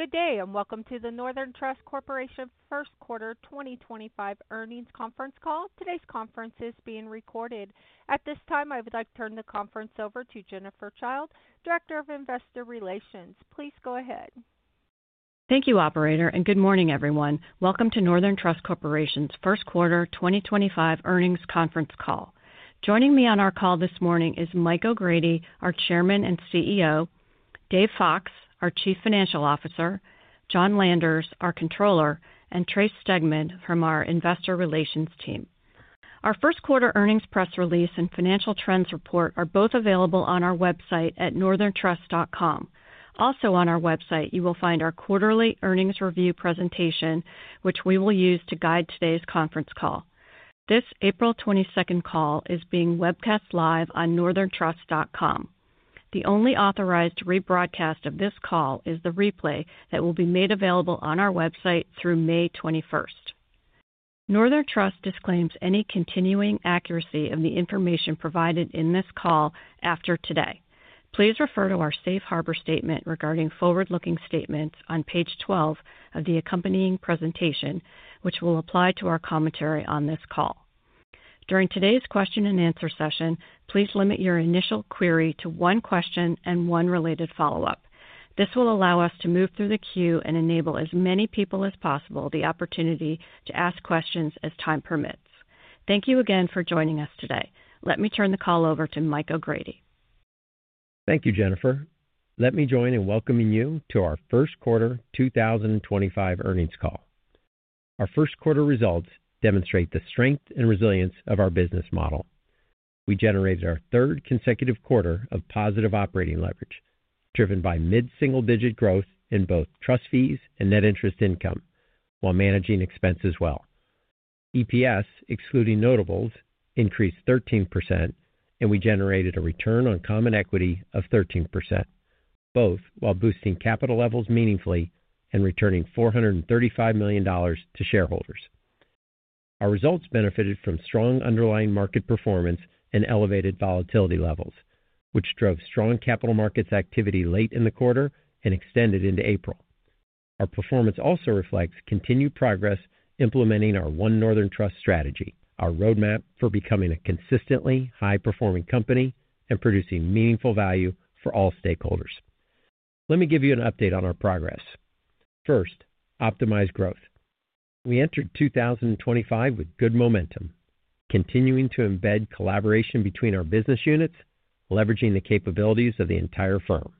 Good day and welcome to the Northern Trust Corporation first quarter 2025 earnings conference call. Today's conference is being recorded. At this time, I would like to turn the conference over to Jennifer Childe, Director of Investor Relations. Please go ahead. Thank you, operator, and good morning, everyone. Welcome to Northern Trust Corporation's first quarter 2025 earnings conference call. Joining me on our call this morning is Mike O'Grady, our Chairman and CEO; Dave Fox, our Chief Financial Officer; John Landers, our Controller; and Trace Stegeman from our investor relations team. Our first quarter earnings press release and financial trends report are both available on our website at northerntrust.com. Also on our website, you will find our quarterly earnings review presentation, which we will use to guide today's conference call. This April 22nd call is being webcast live on northerntrust.com. The only authorized rebroadcast of this call is the replay that will be made available on our website through May 21st. Northern Trust disclaims any continuing accuracy of the information provided in this call after today. Please refer to our safe harbor statement regarding forward-looking statements on page 12 of the accompanying presentation, which will apply to our commentary on this call. During today's question-and-answer session, please limit your initial query to one question and one related follow-up. This will allow us to move through the queue and enable as many people as possible the opportunity to ask questions as time permits. Thank you again for joining us today. Let me turn the call over to Mike O'Grady. Thank you, Jennifer. Let me join in welcoming you to our first quarter 2025 earnings call. Our first quarter results demonstrate the strength and resilience of our business model. We generated our third consecutive quarter of positive operating leverage, driven by mid-single-digit growth in both trust fees and net interest income, while managing expenses well. EPS, excluding notables, increased 13%, and we generated a return on common equity of 13%, both while boosting capital levels meaningfully and returning $435 million to shareholders. Our results benefited from strong underlying market performance and elevated volatility levels, which drove strong capital markets activity late in the quarter and extended into April. Our performance also reflects continued progress implementing our One Northern Trust strategy, our roadmap for becoming a consistently high-performing company and producing meaningful value for all stakeholders. Let me give you an update on our progress. First, optimized growth. We entered 2025 with good momentum, continuing to embed collaboration between our business units, leveraging the capabilities of the entire firm.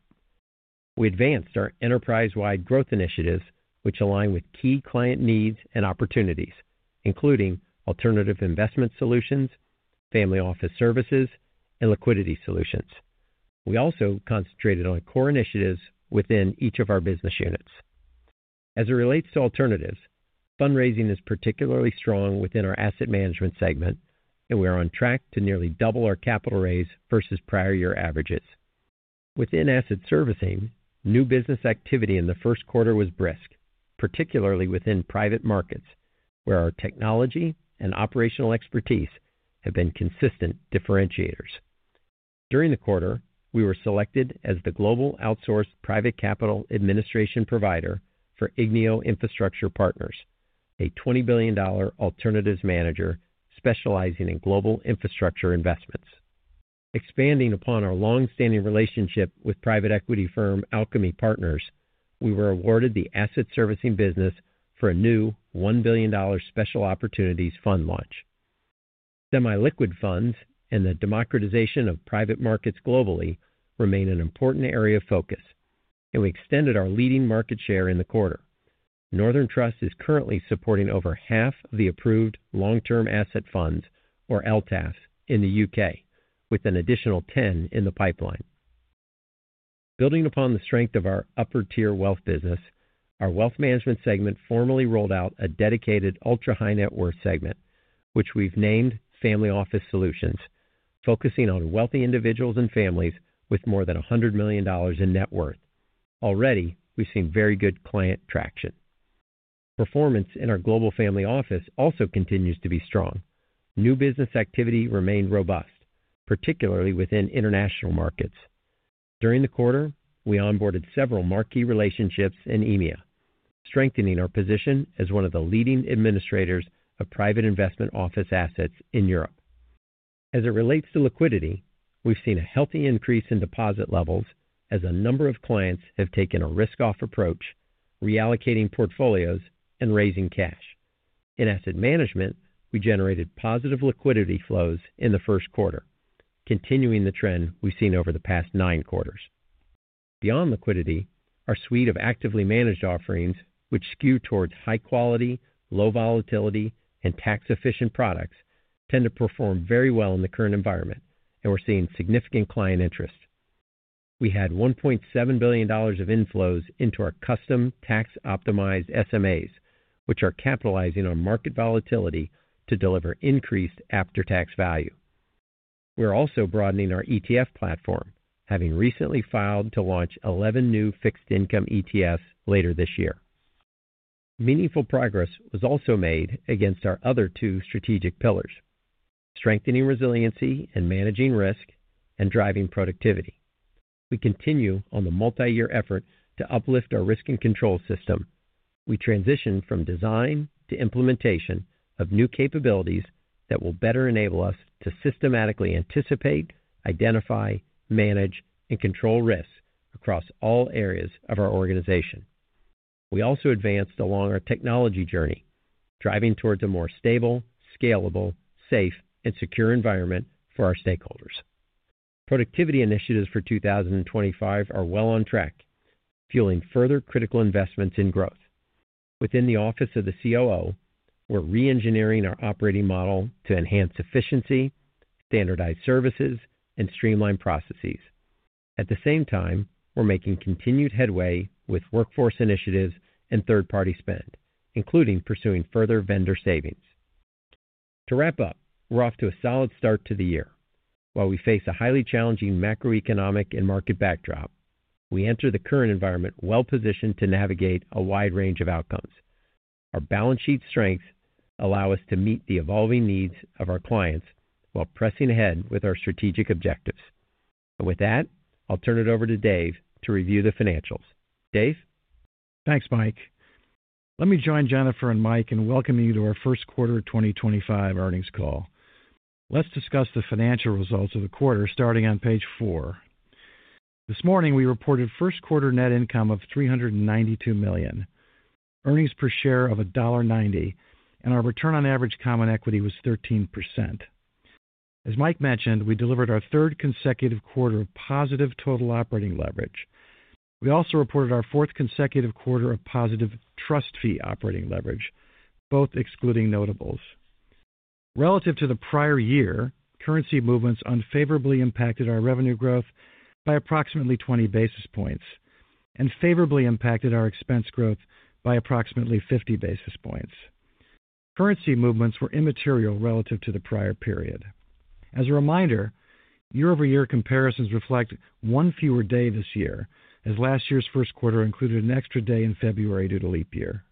We advanced our enterprise-wide growth initiatives, which align with key client needs and opportunities, including alternative investment solutions, family office services, and liquidity solutions. We also concentrated on core initiatives within each of our business units. As it relates to alternatives, fundraising is particularly strong within our Asset Management segment, and we are on track to nearly double our capital raise versus prior year averages. Within Asset Servicing, new business activity in the first quarter was brisk, particularly within private markets, where our technology and operational expertise have been consistent differentiators. During the quarter, we were selected as the global outsourced private capital administration provider for Igneo Infrastructure Partners, a $20 billion alternatives manager specializing in global infrastructure investments. Expanding upon our long-standing relationship with private equity firm Alchemy Partners, we were awarded the asset servicing business for a new $1 billion special opportunities fund launch. Semi-liquid funds and the democratization of private markets globally remain an important area of focus, and we extended our leading market share in the quarter. Northern Trust is currently supporting over half of the approved long-term asset funds, or LTAFs, in the U.K., with an additional 10 in the pipeline. Building upon the strength of our upper-tier wealth business, our Wealth Management segment formally rolled out a dedicated ultra-high net worth segment, which we've named Family Office Solutions, focusing on wealthy individuals and families with more than $100 million in net worth. Already, we've seen very good client traction. Performance in our Global Family Office also continues to be strong. New business activity remained robust, particularly within international markets. During the quarter, we onboarded several marquee relationships in EMEA, strengthening our position as one of the leading administrators of private investment office assets in Europe. As it relates to liquidity, we have seen a healthy increase in deposit levels as a number of clients have taken a risk-off approach, reallocating portfolios and raising cash. In Asset Management, we generated positive liquidity flows in the first quarter, continuing the trend we have seen over the past nine quarters. Beyond liquidity, our suite of actively managed offerings, which skew towards high-quality, low-volatility, and tax-efficient products, tend to perform very well in the current environment, and we are seeing significant client interest. We had $1.7 billion of inflows into our custom tax-optimized SMAs, which are capitalizing on market volatility to deliver increased after-tax value. We are also broadening our ETF platform, having recently filed to launch 11 new fixed-income ETFs later this year. Meaningful progress was also made against our other two strategic pillars: strengthening resiliency and managing risk, and driving productivity. We continue on the multi-year effort to uplift our risk and control system. We transitioned from design to implementation of new capabilities that will better enable us to systematically anticipate, identify, manage, and control risks across all areas of our organization. We also advanced along our technology journey, driving towards a more stable, scalable, safe, and secure environment for our stakeholders. Productivity initiatives for 2025 are well on track, fueling further critical investments in growth. Within the Office of the COO, we're re-engineering our operating model to enhance efficiency, standardize services, and streamline processes. At the same time, we're making continued headway with workforce initiatives and third-party spend, including pursuing further vendor savings. To wrap up, we're off to a solid start to the year. While we face a highly challenging macroeconomic and market backdrop, we enter the current environment well positioned to navigate a wide range of outcomes. Our balance sheet strengths allow us to meet the evolving needs of our clients while pressing ahead with our strategic objectives. With that, I'll turn it over to Dave to review the financials. Dave? Thanks, Mike. Let me join Jennifer and Mike in welcoming you to our first quarter 2025 earnings call. Let's discuss the financial results of the quarter starting on page four. This morning, we reported first quarter net income of $392 million, earnings per share of $1.90, and our return on average common equity was 13%. As Mike mentioned, we delivered our third consecutive quarter of positive total operating leverage. We also reported our fourth consecutive quarter of positive trust fee operating leverage, both excluding notables. Relative to the prior year, currency movements unfavorably impacted our revenue growth by approximately 20 basis points and favorably impacted our expense growth by approximately 50 basis points. Currency movements were immaterial relative to the prior period. As a reminder, year-over-year comparisons reflect one fewer day this year, as last year's first quarter included an extra day in February due to leap year.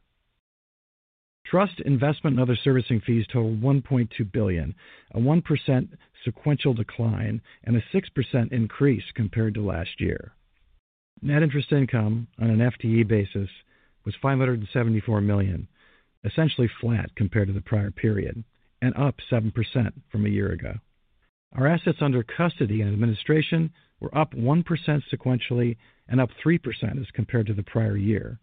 Trust, investment, and other servicing fees totaled $1.2 billion, a 1% sequential decline, and a 6% increase compared to last year. Net interest income on an FTE basis was $574 million, essentially flat compared to the prior period and up 7% from a year ago. Our assets under custody and administration were up 1% sequentially and up 3% as compared to the prior year.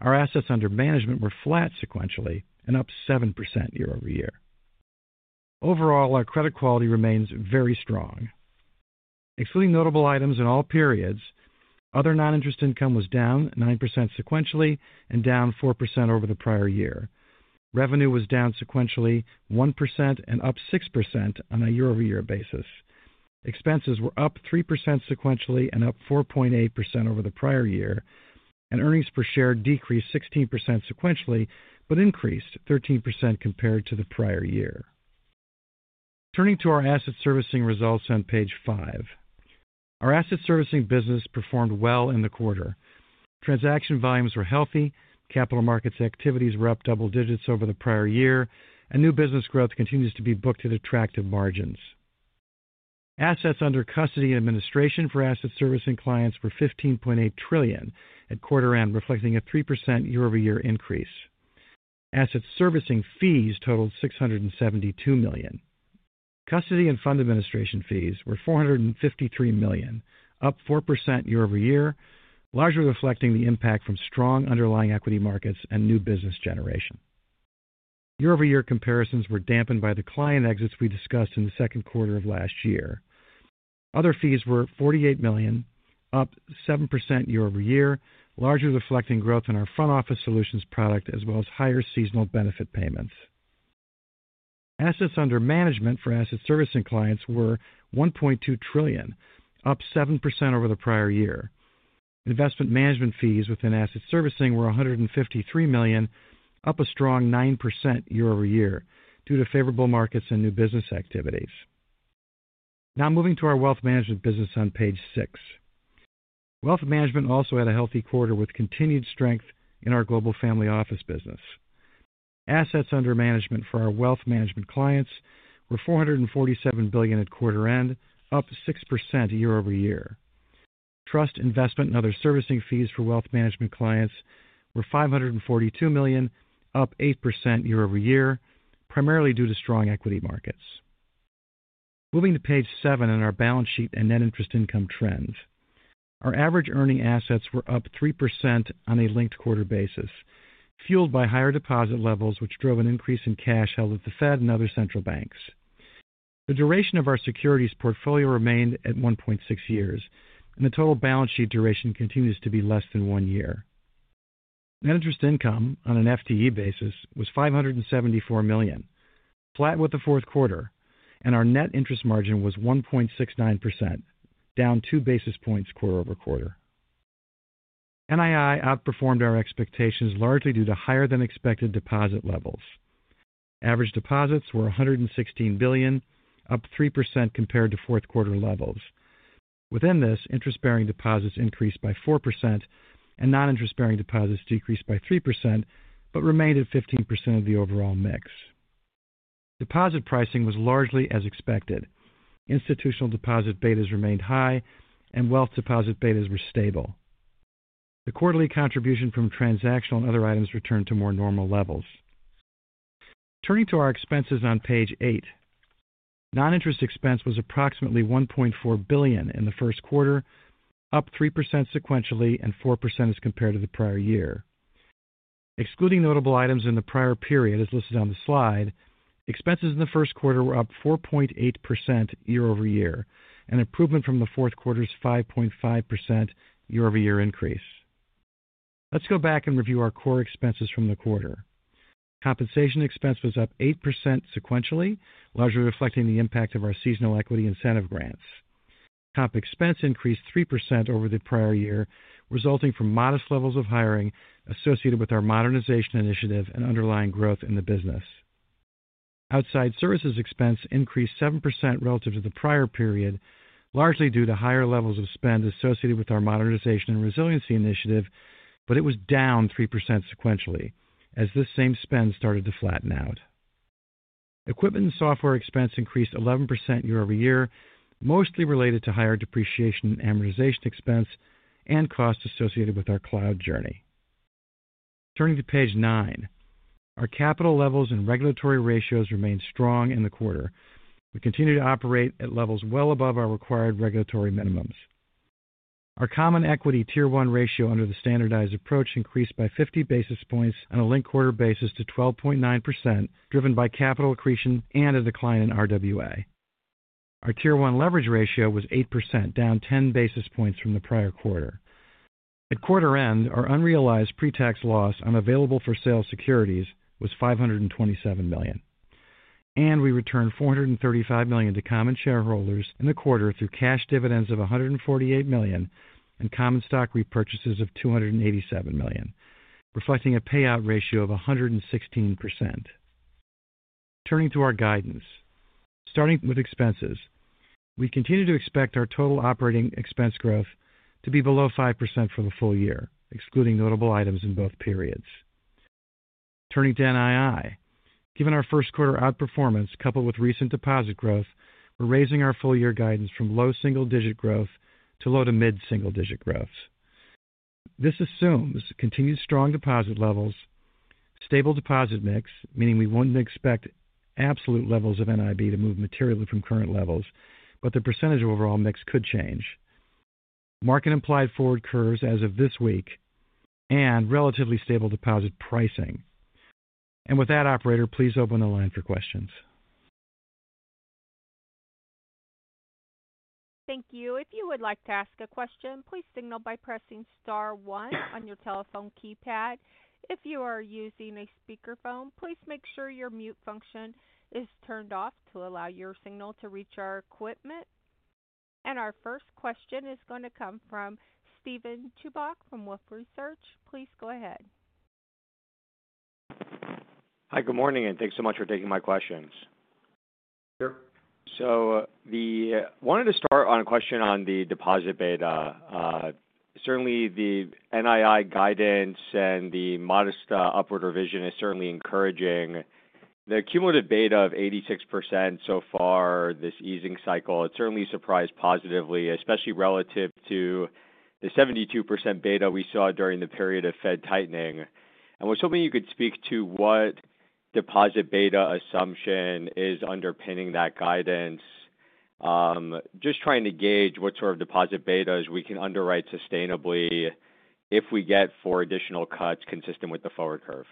Our assets under management were flat sequentially and up 7% year-over-year. Overall, our credit quality remains very strong. Excluding notable items in all periods, other non-interest income was down 9% sequentially and down 4% over the prior year. Revenue was down sequentially 1% and up 6% on a year-over-year basis. Expenses were up 3% sequentially and up 4.8% over the prior year, and earnings per share decreased 16% sequentially but increased 13% compared to the prior year. Turning to our Asset Servicing results on page five, our Asset Servicing business performed well in the quarter. Transaction volumes were healthy, capital markets activities were up double digits over the prior year, and new business growth continues to be booked at attractive margins. Assets under custody and administration for asset servicing clients were $15.8 trillion at quarter-end, reflecting a 3% year-over-year increase. Asset servicing fees totaled $672 million. Custody and fund administration fees were $453 million, up 4% year-over-year, largely reflecting the impact from strong underlying equity markets and new business generation. Year-over-year comparisons were dampened by the client exits we discussed in the second quarter of last year. Other fees were $48 million, up 7% year-over-year, largely reflecting growth in our Front Office Solutions product as well as higher seasonal benefit payments. Assets under management for asset servicing clients were $1.2 trillion, up 7% over the prior year. Investment management fees within Asset Servicing were $153 million, up a strong 9% year-over-year due to favorable markets and new business activities. Now moving to our Wealth Management business on page six. Wealth Management also had a healthy quarter with continued strength in our Global Family Office business. Assets under management for our wealth management clients were $447 billion at quarter-end, up 6% year-over-year. Trust, investment, and other servicing fees for wealth management clients were $542 million, up 8% year-over-year, primarily due to strong equity markets. Moving to page seven and our balance sheet and net interest income trends, our average earning assets were up 3% on a linked quarter basis, fueled by higher deposit levels, which drove an increase in cash held at the Fed and other central banks. The duration of our securities portfolio remained at 1.6 years, and the total balance sheet duration continues to be less than one year. Net interest income on an FTE basis was $574 million, flat with the fourth quarter, and our net interest margin was 1.69%, down two basis points quarter-over-quarter. NII outperformed our expectations largely due to higher-than-expected deposit levels. Average deposits were $116 billion, up 3% compared to fourth quarter levels. Within this, interest-bearing deposits increased by 4% and non-interest-bearing deposits decreased by 3% but remained at 15% of the overall mix. Deposit pricing was largely as expected. Institutional deposit betas remained high, and wealth deposit betas were stable. The quarterly contribution from transactional and other items returned to more normal levels. Turning to our expenses on page eight, non-interest expense was approximately $1.4 billion in the first quarter, up 3% sequentially and 4% as compared to the prior year. Excluding notable items in the prior period, as listed on the slide, expenses in the first quarter were up 4.8% year-over-year, an improvement from the fourth quarter's 5.5% year-over-year increase. Let's go back and review our core expenses from the quarter. Compensation expense was up 8% sequentially, largely reflecting the impact of our seasonal equity incentive grants. Comp expense increased 3% over the prior year, resulting from modest levels of hiring associated with our modernization initiative and underlying growth in the business. Outside services expense increased 7% relative to the prior period, largely due to higher levels of spend associated with our modernization and resiliency initiative, but it was down 3% sequentially as this same spend started to flatten out. Equipment and software expense increased 11% year-over-year, mostly related to higher depreciation and amortization expense and costs associated with our cloud journey. Turning to page nine, our capital levels and regulatory ratios remained strong in the quarter. We continued to operate at levels well above our required regulatory minimums. Our common equity Tier 1 ratio under the standardized approach increased by 50 basis points on a linked quarter basis to 12.9%, driven by capital accretion and a decline in RWA. Our Tier 1 leverage ratio was 8%, down 10 basis points from the prior quarter. At quarter-end, our unrealized pre-tax loss on available-for-sale securities was $527 million, and we returned $435 million to common shareholders in the quarter through cash dividends of $148 million and common stock repurchases of $287 million, reflecting a payout ratio of 116%. Turning to our guidance, starting with expenses, we continue to expect our total operating expense growth to be below 5% for the full year, excluding notable items in both periods. Turning to NII, given our first quarter outperformance coupled with recent deposit growth, we're raising our full year guidance from low single-digit growth to low to mid-single-digit growth. This assumes continued strong deposit levels; stable deposit mix, meaning we wouldn't expect absolute levels of NIB to move materially from current levels, but the percentage of overall mix could change; market-implied forward curve as of this week; and relatively stable deposit pricing. With that, operator, please open the line for questions. Thank you. If you would like to ask a question, please signal by pressing star one on your telephone keypad. If you are using a speakerphone, please make sure your mute function is turned off to allow your signal to reach our equipment. Our first question is going to come from Steven Chubak from Wolfe Research. Please go ahead. Hi, good morning, and thanks so much for taking my questions. Sure. I wanted to start on a question on the deposit beta. Certainly, the NII guidance and the modest upward revision is certainly encouraging. The cumulative beta of 86% so far this easing cycle, it certainly surprised positively, especially relative to the 72% beta we saw during the period of Fed tightening. I was hoping you could speak to what deposit beta assumption is underpinning that guidance, just trying to gauge what sort of deposit betas we can underwrite sustainably if we get four additional cuts consistent with the forward curve.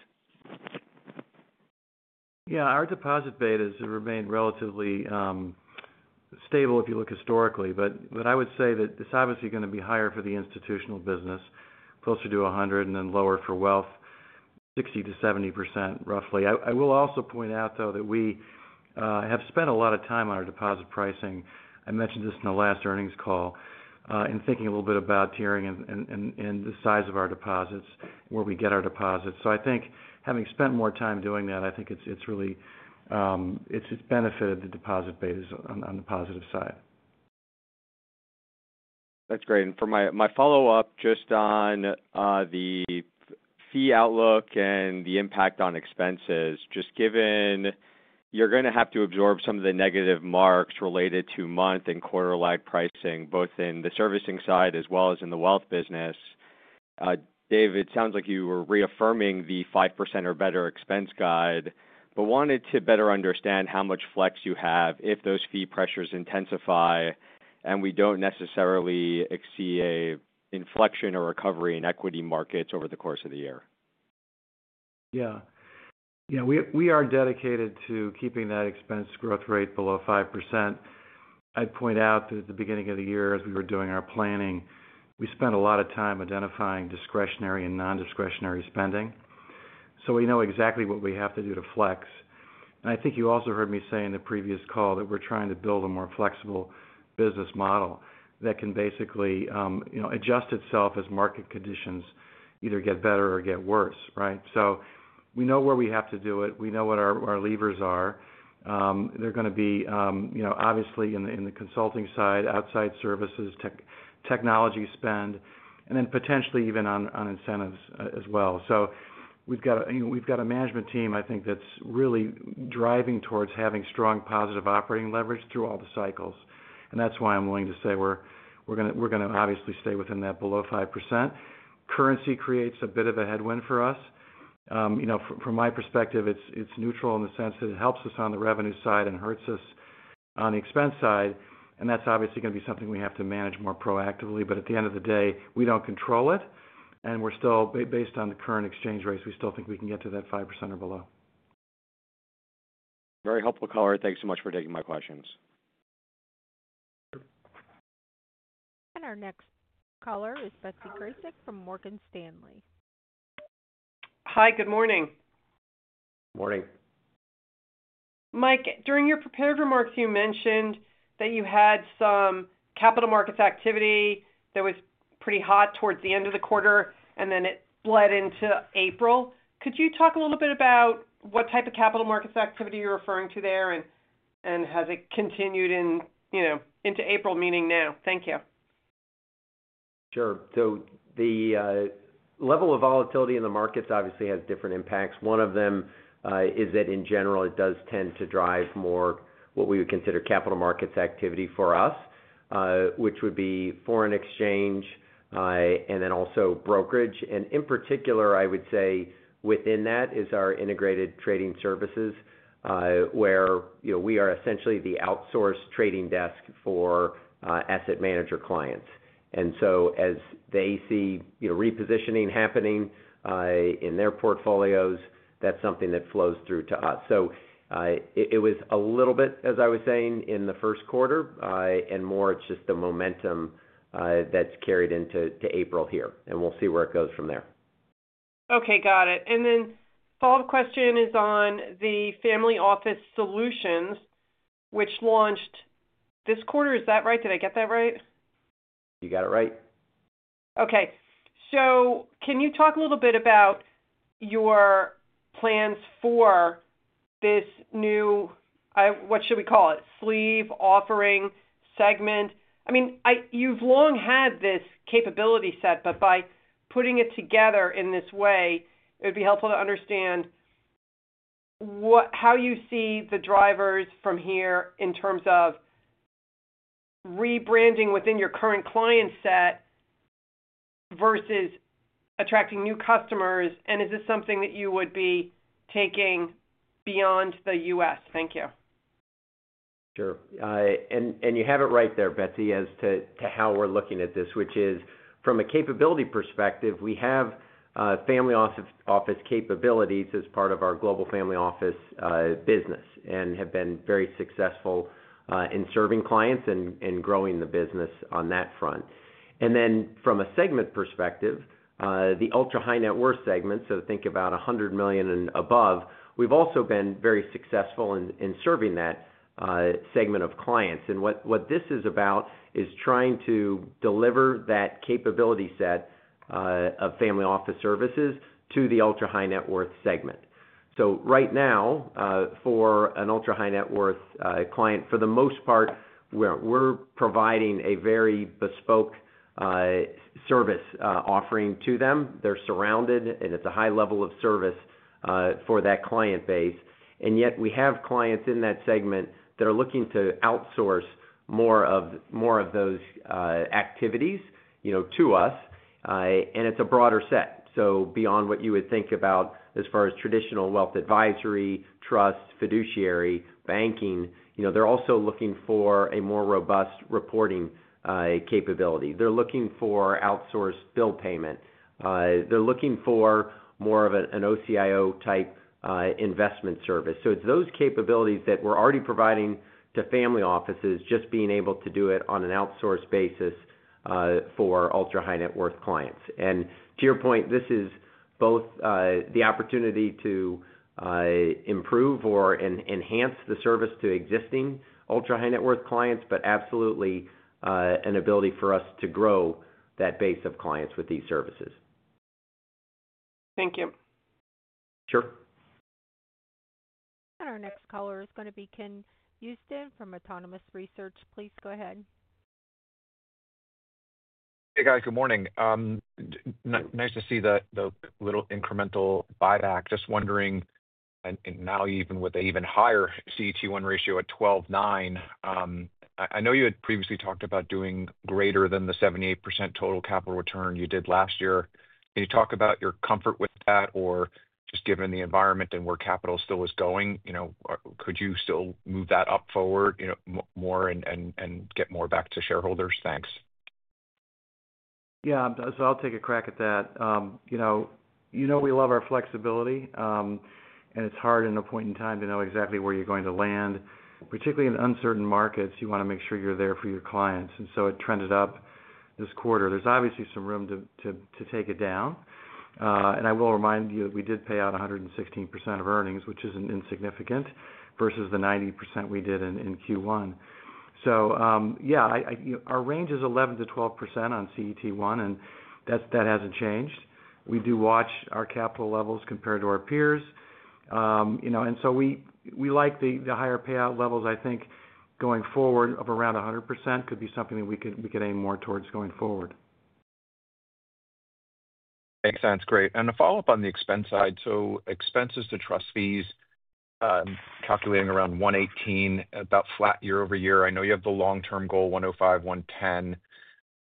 Yeah, our deposit betas remain relatively stable if you look historically, but I would say that it's obviously going to be higher for the institutional business, closer to 100%, and then lower for wealth, 60%-70% roughly. I will also point out, though, that we have spent a lot of time on our deposit pricing. I mentioned this in the last earnings call, in thinking a little bit about tiering and the size of our deposits, where we get our deposits. I think having spent more time doing that, I think it's really benefited the deposit betas on the positive side. That's great. For my follow-up just on the fee outlook and the impact on expenses, just given you're going to have to absorb some of the negative marks related to month and quarter-lag pricing, both in the servicing side as well as in the wealth business. David, it sounds like you were reaffirming the 5% or better expense guide, but wanted to better understand how much flex you have if those fee pressures intensify and we don't necessarily see an inflection or recovery in equity markets over the course of the year. Yeah. Yeah, we are dedicated to keeping that expense growth rate below 5%. I'd point out that at the beginning of the year, as we were doing our planning, we spent a lot of time identifying discretionary and non-discretionary spending. We know exactly what we have to do to flex. I think you also heard me say in the previous call that we're trying to build a more flexible business model that can basically adjust itself as market conditions either get better or get worse, right? We know where we have to do it. We know what our levers are. They're going to be obviously in the consulting side, outside services, technology spend, and then potentially even on incentives as well. We've got a management team, I think, that's really driving towards having strong positive operating leverage through all the cycles. That is why I'm willing to say we're going to obviously stay within that below 5%. Currency creates a bit of a headwind for us. From my perspective, it's neutral in the sense that it helps us on the revenue side and hurts us on the expense side. That is obviously going to be something we have to manage more proactively. At the end of the day, we do not control it. Based on the current exchange rates, we still think we can get to that 5% or below. Very helpful, caller. Thanks so much for taking my questions. Our next caller is Betsy Graseck from Morgan Stanley. Hi, good morning. Morning. Mike, during your prepared remarks, you mentioned that you had some capital markets activity that was pretty hot towards the end of the quarter, and then it bled into April. Could you talk a little bit about what type of capital markets activity you're referring to there, and has it continued into April, meaning now? Thank you. Sure. The level of volatility in the markets obviously has different impacts. One of them is that, in general, it does tend to drive more what we would consider capital markets activity for us, which would be foreign exchange and then also brokerage. In particular, I would say within that is our integrated trading services, where we are essentially the outsourced trading desk for asset manager clients. As they see repositioning happening in their portfolios, that is something that flows through to us. It was a little bit, as I was saying, in the first quarter, and more it is just the momentum that has carried into April here. We will see where it goes from there. Okay, got it. Follow-up question is on the Family Office Solutions, which launched this quarter. Is that right? Did I get that right? You got it right. Okay. Can you talk a little bit about your plans for this new, what should we call it, sleeve offering segment? I mean, you've long had this capability set, but by putting it together in this way, it would be helpful to understand how you see the drivers from here in terms of rebranding within your current client set versus attracting new customers. Is this something that you would be taking beyond the U.S.? Thank you. Sure. You have it right there, Betsy, as to how we're looking at this, which is from a capability perspective, we have family office capabilities as part of our Global Family Office business and have been very successful in serving clients and growing the business on that front. From a segment perspective, the ultra-high net worth segment, so think about $100 million and above, we've also been very successful in serving that segment of clients. What this is about is trying to deliver that capability set of family office services to the ultra-high net worth segment. Right now, for an ultra-high net worth client, for the most part, we're providing a very bespoke service offering to them. They're surrounded. And it's a high level of service for that client base, and yet we have clients in that segment that are looking to outsource more of those activities to us. It is a broader set, so beyond what you would think about as far as traditional wealth advisory, trust, fiduciary, banking. They are also looking for a more robust reporting capability. They are looking for outsourced bill payment. They are looking for more of an OCIO-type investment service. It is those capabilities that we are already providing to family offices, just being able to do it on an outsourced basis for ultra-high net worth clients. To your point, this is both the opportunity to improve or enhance the service to existing ultra-high net worth clients, but absolutely an ability for us to grow that base of clients with these services. Thank you. Sure. Our next caller is going to be Ken Usdin from Autonomous Research. Please go ahead. Hey, guys. Good morning. Nice to see the little incremental buyback. Just wondering, now even with an even higher CET1 ratio at 12.9%, I know you had previously talked about doing greater than the 78% total capital return you did last year. Can you talk about your comfort with that, or just given the environment and where capital still is going, could you still move that up forward more and get more back to shareholders? Thanks. Yeah. I'll take a crack at that. You know we love our flexibility, and it's hard at a point in time to know exactly where you're going to land. Particularly in uncertain markets, you want to make sure you're there for your clients. It trended up this quarter. There's obviously some room to take it down. I will remind you that we did pay out 116% of earnings, which isn't insignificant, versus the 90% we did in Q1. Our range is 11%-12% on CET1, and that hasn't changed. We do watch our capital levels compared to our peers. We like the higher payout levels. I think going forward of around 100% could be something that we could aim more towards going forward. Thanks. That's great. A follow-up on the expense side. Expenses to trust fees, I'm calculating around 118%, about flat year-over-year. I know you have the long-term goal, 105%-110%.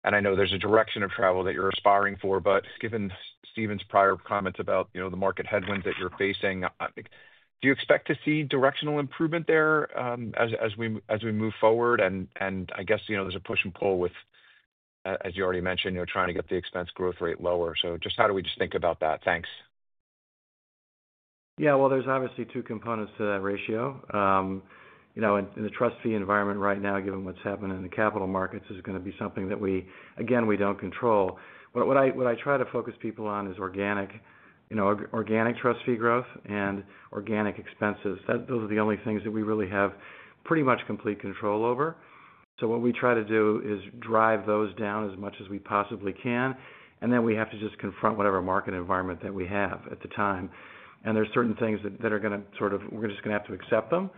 I know there's a direction of travel that you're aspiring for, but given Steven's prior comments about the market headwinds that you're facing, do you expect to see directional improvement there as we move forward? I guess there's a push and pull with, as you already mentioned, trying to get the expense growth rate lower. Just how do we think about that? Thanks. Yeah. There are obviously two components to that ratio. In the trust fee environment right now, given what's happened in the capital markets, it is going to be something that, again, we do not control. What I try to focus people on is organic trust fee growth and organic expenses. Those are the only things that we really have pretty much complete control over. What we try to do is drive those down as much as we possibly can. We have to just confront whatever market environment that we have at the time. There are certain things that are going to sort of we are just going to have to accept them.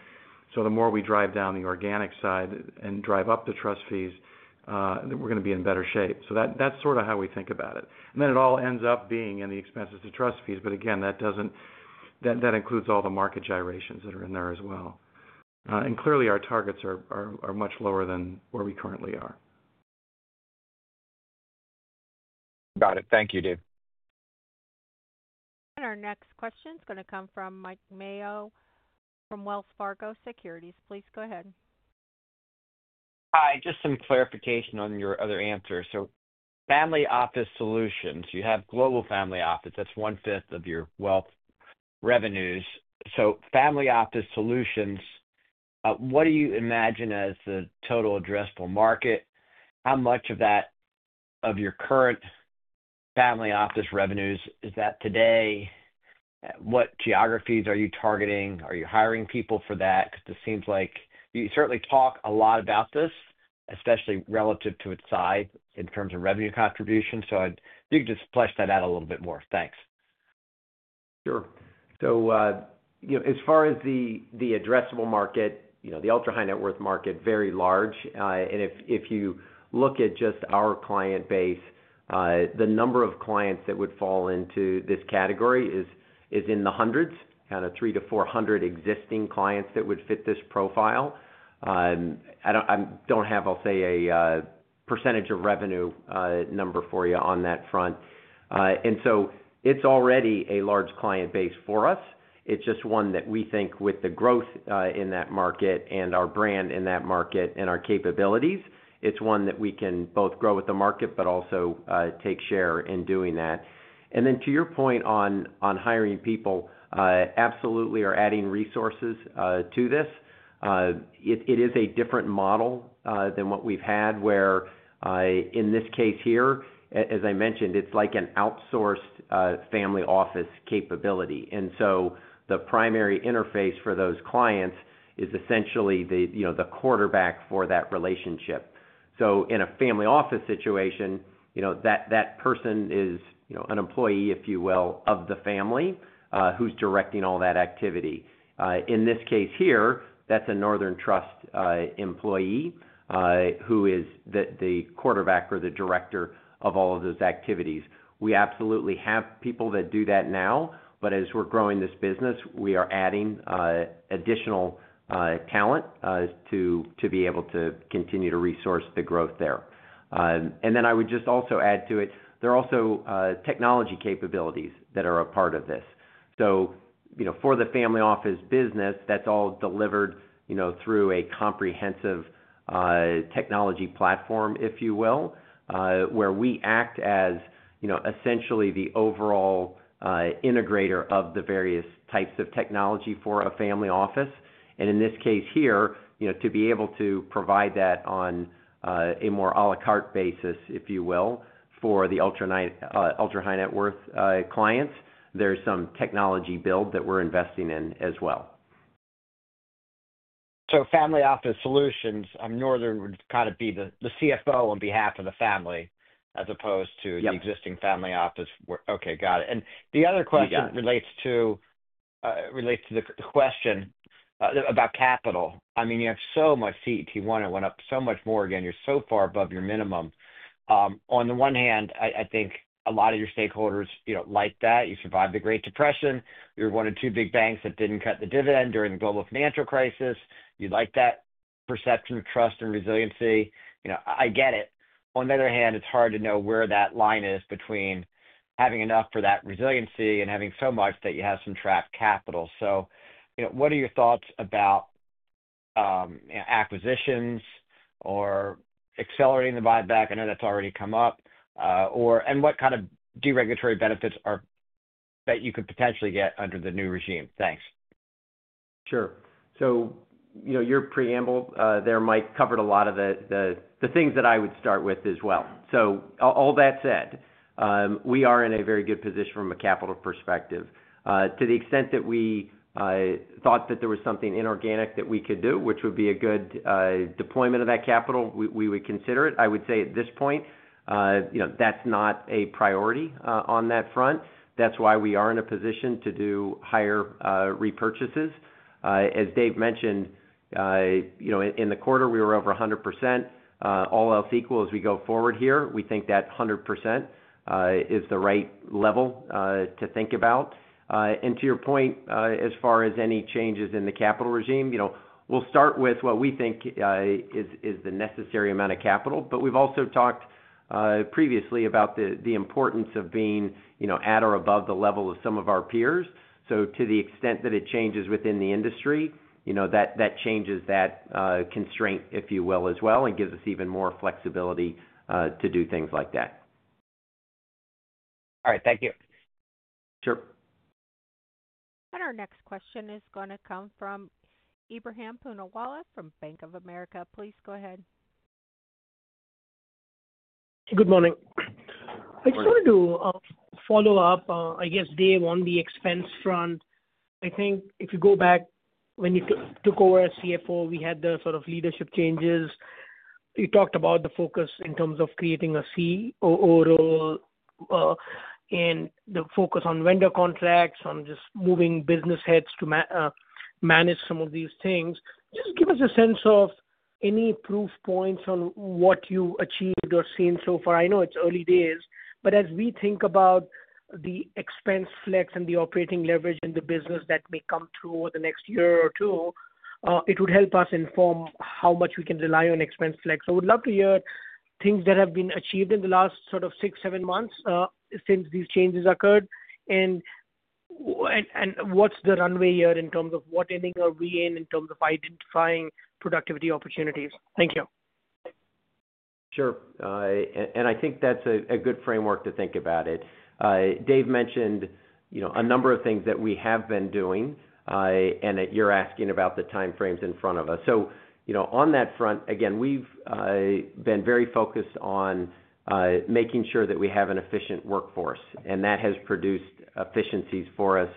The more we drive down the organic side and drive up the trust fees, we are going to be in better shape. That is sort of how we think about it. It all ends up being in the expenses to trust fees. Again, that includes all the market gyrations that are in there as well. Clearly, our targets are much lower than where we currently are. Got it. Thank you, Dave. Our next question is going to come from Mike Mayo from Wells Fargo Securities. Please go ahead. Hi. Just some clarification on your other answer. Family Office Solutions, you have Global Family Office. That is 1/5 of your wealth revenues. Family Office Solutions, what do you imagine as the total addressable market? How much of that of your current family office revenues is that today? What geographies are you targeting? Are you hiring people for that? It seems like you certainly talk a lot about this, especially relative to its size in terms of revenue contribution. If you could just flesh that out a little bit more. Thanks. Sure. As far as the addressable market, the ultra-high net worth market, very large. If you look at just our client base, the number of clients that would fall into this category is in the hundreds, kind of 300-400 existing clients that would fit this profile. I do not have, I will say, a percentage of revenue number for you on that front. It is already a large client base for us. It is just one that we think with the growth in that market and our brand in that market and our capabilities, it is one that we can both grow with the market, but also take share in doing that. To your point on hiring people, absolutely are adding resources to this. It is a different model than what we have had, where in this case here, as I mentioned, it is like an outsourced family office capability. The primary interface for those clients is essentially the quarterback for that relationship. In a family office situation, that person is an employee, if you will, of the family who is directing all that activity. In this case here, that's a Northern Trust employee who is the quarterback or the director of all of those activities. We absolutely have people that do that now, but as we're growing this business, we are adding additional talent to be able to continue to resource the growth there. I would just also add to it, there are also technology capabilities that are a part of this. For the family office business, that's all delivered through a comprehensive technology platform, if you will, where we act as essentially the overall integrator of the various types of technology for a family office. In this case here, to be able to provide that on a more à la carte basis, if you will, for the ultra-high net worth clients, there's some technology build that we're investing in as well. Family Office Solutions, Northern would kind of be the CFO on behalf of the family as opposed to the existing family office. Okay. Got it. You got it. The other question relates to the question about capital. I mean, you have so much CET1, it went up so much more again. You're so far above your minimum. On the one hand, I think a lot of your stakeholders like that. You survived the Great Depression. You're one of two big banks that did not cut the dividend during the global financial crisis. You like that perception of trust and resiliency. I get it. On the other hand, it's hard to know where that line is between having enough for that resiliency and having so much that you have some trapped capital. What are your thoughts about acquisitions or accelerating the buyback? I know that's already come up. What kind of deregulatory benefits could you potentially get under the new regime? Thanks. Sure. Your preamble there, Mike, covered a lot of the things that I would start with as well. All that said, we are in a very good position from a capital perspective. To the extent that we thought there was something inorganic that we could do which would be a good deployment of that capital, we would consider it. I would say at this point that is not a priority on that front. That is why we are in a position to do higher repurchases. As Dave mentioned, in the quarter, we were over 100%. All else equal, as we go forward here, we think that 100% is the right level to think about. To your point, as far as any changes in the capital regime, we'll start with what we think is the necessary amount of capital. We have also talked previously about the importance of being at or above the level of some of our peers. To the extent that it changes within the industry, that changes that constraint, if you will, as well, and gives us even more flexibility to do things like that. All right. Thank you. Sure. Our next question is going to come from Ebrahim Poonawala from Bank of America. Please go ahead. Good morning. I just wanted to follow up, I guess, Dave, on the expense front. I think if you go back, when you took over as CFO, we had the sort of leadership changes. You talked about the focus in terms of creating a COO role and the focus on vendor contracts, on just moving business heads to manage some of these things. Just give us a sense of any proof points on what you achieved or seen so far. I know it's early days, but as we think about the expense flex and the operating leverage in the business that may come through over the next year or two, it would help us inform how much we can rely on expense flex. We'd love to hear things that have been achieved in the last sort of six, seven months since these changes occurred. And what's the runway here in terms of what inning are we in in terms of identifying productivity opportunities? Thank you. Sure. I think that's a good framework to think about it. Dave mentioned a number of things that we have been doing, and you're asking about the time frames in front of us. On that front, again, we've been very focused on making sure that we have an efficient workforce, and that has produced efficiencies for us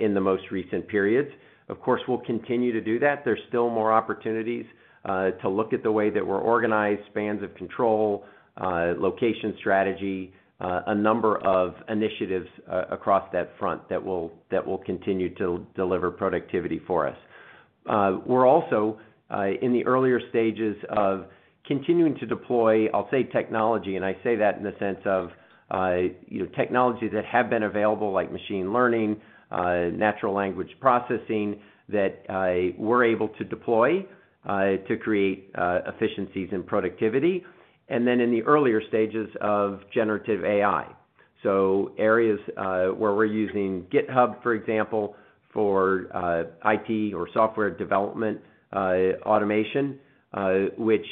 in the most recent periods. Of course, we'll continue to do that. There's still more opportunities to look at the way that we're organized, spans of control, location strategy, a number of initiatives across that front that will continue to deliver productivity for us. We're also in the earlier stages of continuing to deploy, I'll say, technology. I say that in the sense of technology that have been available, like machine learning, natural language processing, that we're able to deploy to create efficiencies and productivity. And then in the earlier stages of generative AI, areas where we're using GitHub, for example, for IT or software development automation, which,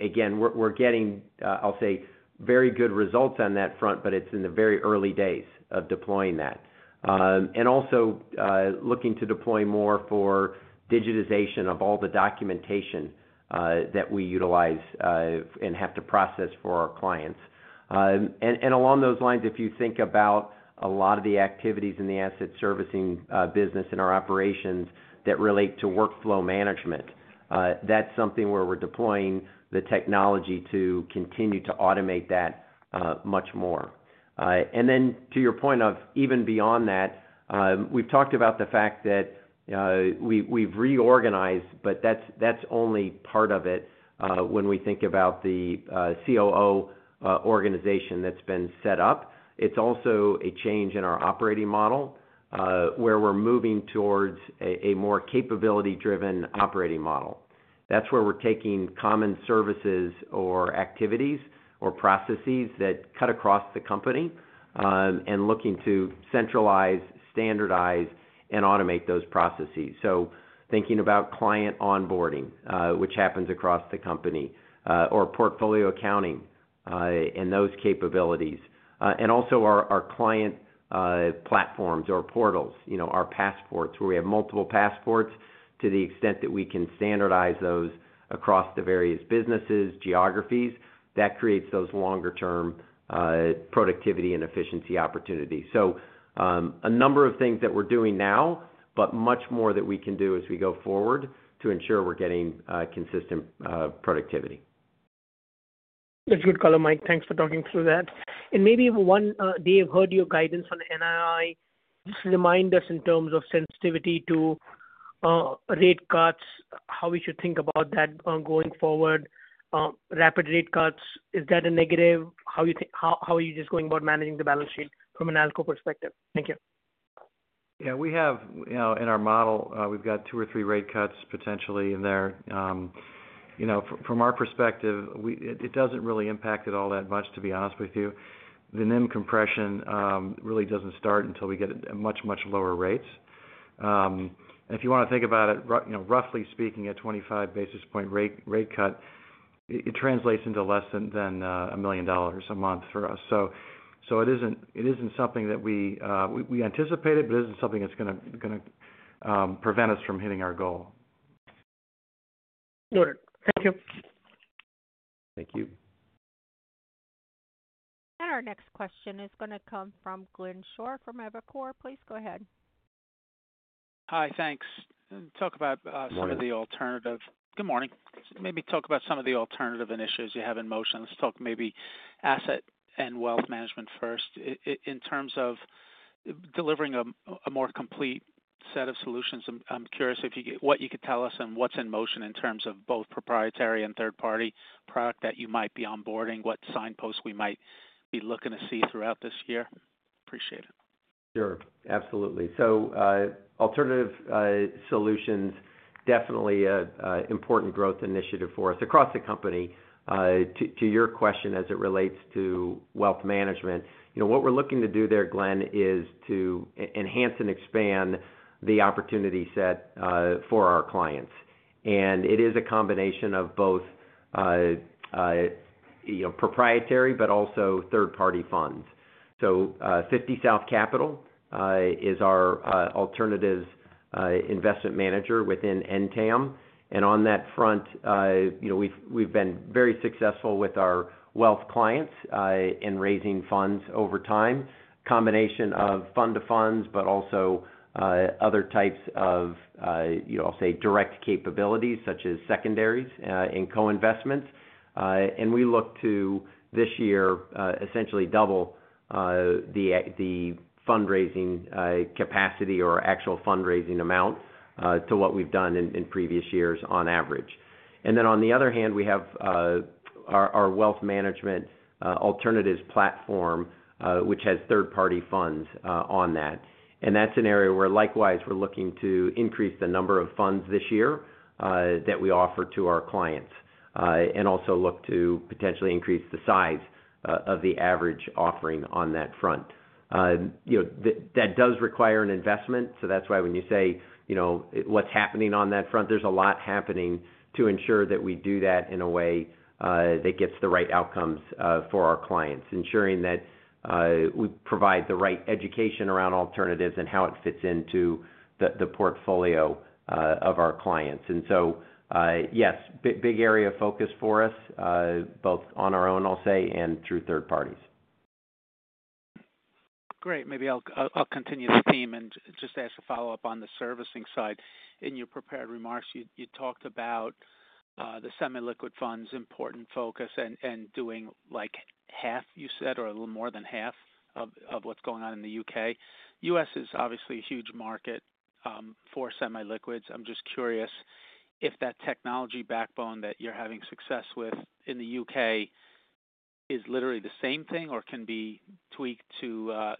again, we're getting, I'll say, very good results on that front, but it's in the very early days of deploying that. We are also looking to deploy more for digitization of all the documentation that we utilize and have to process for our clients. Along those lines, if you think about a lot of the activities in the Asset Servicing business in our operations that relate to workflow management, that's something where we're deploying the technology to continue to automate that much more. To your point of even beyond that, we've talked about the fact that we've reorganized, but that's only part of it when we think about the COO organization that's been set up. It's also a change in our operating model where we're moving towards a more capability-driven operating model. That's where we're taking common services or activities or processes that cut across the company and looking to centralize, standardize, and automate those processes. Thinking about client onboarding, which happens across the company, or portfolio accounting and those capabilities. Also our client platforms or portals, our passports, where we have multiple passports to the extent that we can standardize those across the various businesses, geographies. That creates those longer-term productivity and efficiency opportunities. A number of things that we're doing now, but much more that we can do as we go forward to ensure we're getting consistent productivity. That's good color, Mike. Thanks for talking through that. Maybe one, Dave, heard your guidance on NII. Just remind us in terms of sensitivity to rate cuts, how we should think about that going forward. Rapid rate cuts, is that a negative? How are you just going about managing the balance sheet from an ALCO perspective? Thank you. Yeah. We have, in our model, we've got two or three rate cuts potentially in there. From our perspective, it doesn't really impact it all that much, to be honest with you. The NIM compression really doesn't start until we get much, much lower rates. If you want to think about it, roughly speaking, a 25 basis point rate cut, it translates into less than $1 million a month for us. It isn't something that we anticipate it, but it isn't something that's going to prevent us from hitting our goal. Noted. Thank you. Thank you. Our next question is going to come from Glenn Schorr from Evercore. Please go ahead. Hi. Thanks. Talk about some of the alternative. Good morning. Good morning. Maybe talk about some of the alternative initiatives you have in motion. Let's talk maybe Asset and Wealth Management first. In terms of delivering a more complete set of solutions, I'm curious what you could tell us and what's in motion in terms of both proprietary and third-party product that you might be onboarding, what signposts we might be looking to see throughout this year. Appreciate it. Sure. Absolutely. Alternative solutions, definitely an important growth initiative for us across the company. To your question, as it relates to Wealth Management, what we're looking to do there, Glenn, is to enhance and expand the opportunity set for our clients. It is a combination of both proprietary but also third-party funds. 50 South Capital is our alternative investment manager within NTAM. On that front, we've been very successful with our wealth clients in raising funds over time, combination of fund-to-funds, but also other types of, I'll say, direct capabilities such as secondaries and co-investments. We look to this year essentially double the fundraising capacity or actual fundraising amount to what we've done in previous years on average. On the other hand, we have our wealth management alternative platform, which has third-party funds on that. That is an area where likewise we are looking to increase the number of funds this year that we offer to our clients and also look to potentially increase the size of the average offering on that front. That does require an investment. When you say what is happening on that front, there is a lot happening to ensure that we do that in a way that gets the right outcomes for our clients, ensuring that we provide the right education around alternatives and how it fits into the portfolio of our clients. Yes, big area of focus for us, both on our own, I will say, and through third parties. Great. Maybe I'll continue the theme and just ask a follow-up on the servicing side. In your prepared remarks, you talked about the semi-liquid funds, important focus, and doing like half, you said, or a little more than half of what's going on in the U.K. U.S. is obviously a huge market for semi-liquids. I'm just curious if that technology backbone that you're having success with in the U.K. is literally the same thing or can be tweaked to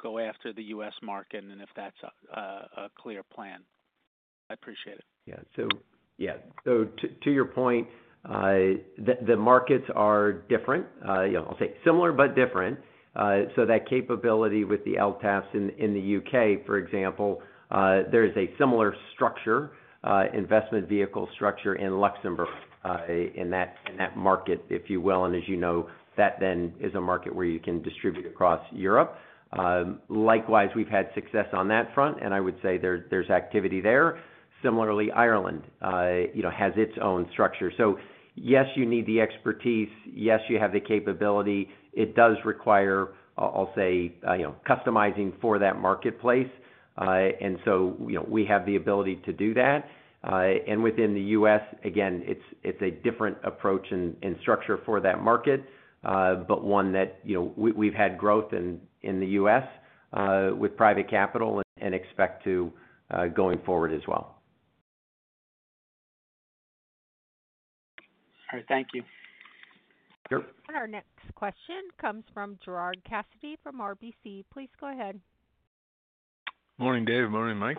go after the U.S. market and if that's a clear plan. I appreciate it. Yeah. To your point, the markets are different. I'll say similar but different. That capability with the LTAFs in the U.K., for example, there is a similar structure, investment vehicle structure in Luxembourg in that market, if you will. As you know, that then is a market where you can distribute across Europe. Likewise, we've had success on that front, and I would say there's activity there. Similarly, Ireland has its own structure. Yes, you need the expertise. Yes, you have the capability. It does require, I'll say, customizing for that marketplace. We have the ability to do that. Within the U.S., again, it's a different approach and structure for that market, but one that we've had growth in the U.S. with private capital and expect to going forward as well. All right. Thank you. Sure. Our next question comes from Gerard Cassidy from RBC. Please go ahead. Morning, Dave. Morning, Mike.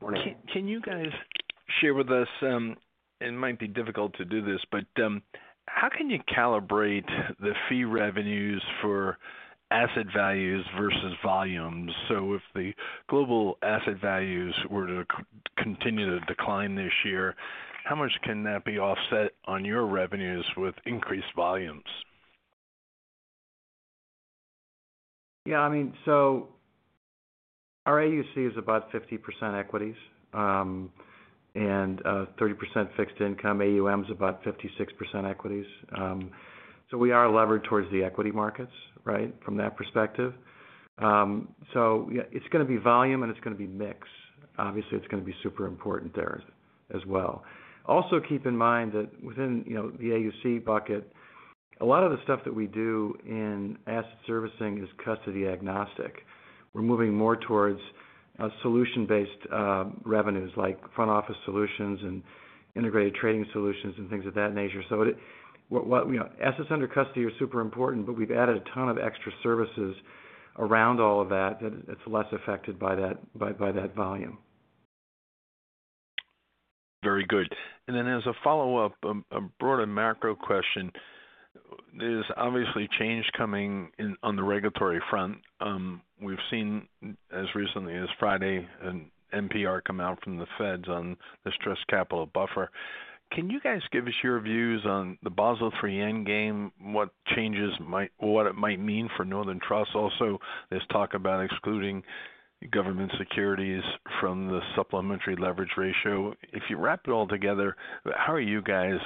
Morning. Can you guys share with us, and it might be difficult to do this, but how can you calibrate the fee revenues for asset values versus volumes? If the global asset values were to continue to decline this year, how much can that be offset on your revenues with increased volumes? Yeah. I mean, our AUC is about 50% equities and 30% fixed income. AUM is about 56% equities. We are levered towards the equity markets, right, from that perspective. It is going to be volume and it is going to be mix. Obviously, it is going to be super important there as well. Also keep in mind that within the AUC bucket, a lot of the stuff that we do in Asset Servicing is custody agnostic. We are moving more towards solution-based revenues like Front Office Solutions and Integrated Trading Solutions and things of that nature. Assets under custody are super important, but we have added a ton of extra services around all of that that it is less affected by that volume. Very good. As a follow-up, a broader macro question. There's obviously change coming on the regulatory front. We've seen as recently as Friday an NPR come out from the Fed on the stress capital buffer. Can you guys give us your views on the Basel III endgame, what changes might or what it might mean for Northern Trust? Also there's talk about excluding government securities from the supplementary leverage ratio. If you wrap it all together, how are you guys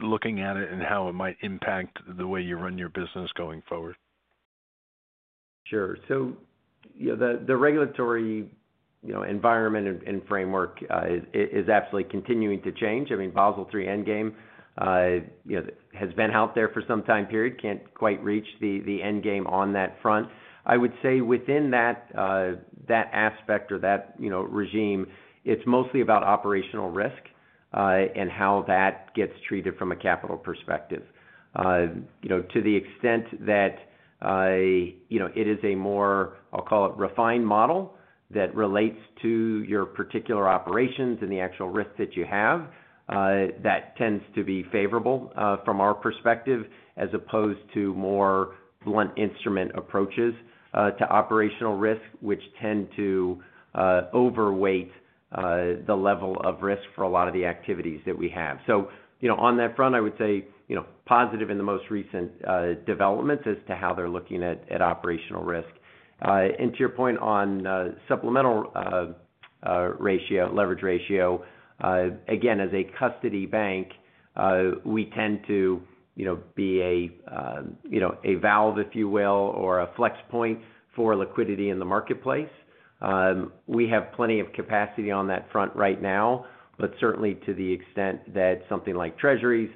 looking at it and how it might impact the way you run your business going forward? Sure. The regulatory environment and framework is absolutely continuing to change. I mean, Basel III endgame has been out there for some time period, can't quite reach the endgame on that front. I would say within that aspect or that regime, it's mostly about operational risk and how that gets treated from a capital perspective. To the extent that it is a more, I'll call it, refined model that relates to your particular operations and the actual risk that you have, that tends to be favorable from our perspective as opposed to more blunt instrument approaches to operational risk, which tend to overweight the level of risk for a lot of the activities that we have. On that front, I would say positive in the most recent developments as to how they're looking at operational risk. To your point on supplemental leverage ratio, again, as a custody bank, we tend to be a valve, if you will, or a flex point for liquidity in the marketplace. We have plenty of capacity on that front right now, but certainly to the extent that something like treasuries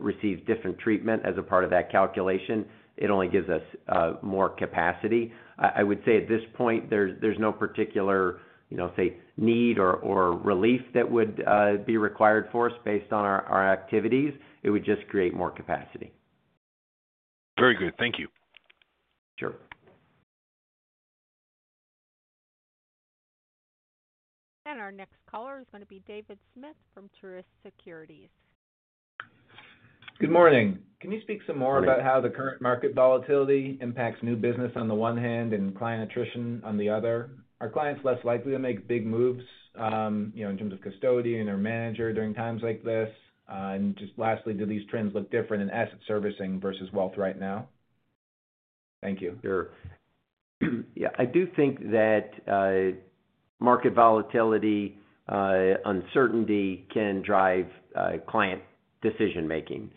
receives different treatment as a part of that calculation, it only gives us more capacity. I would say at this point, there is no particular, say, need or relief that would be required for us based on our activities. It would just create more capacity. Very good. Thank you. Sure. Our next caller is going to be David Smith from Truist Securities. Good morning. Can you speak some more about how the current market volatility impacts new business on the one hand and client attrition on the other? Are clients less likely to make big moves in terms of custodian or manager during times like this? Lastly, do these trends look different in Asset Servicing versus wealth right now? Thank you. Sure. Yeah. I do think that market volatility, uncertainty can drive client decision-making.